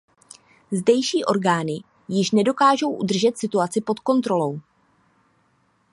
Zdejší orgány již nedokážou udržet situaci pod kontrolou.